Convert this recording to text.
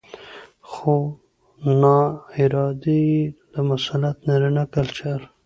؛ خو ناارادي يې د مسلط نارينه کلچر